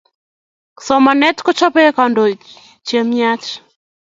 somanet kochobei kandoik chemyee